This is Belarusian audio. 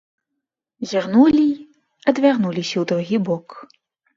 Зірнулі й адвярнуліся ў другі бок.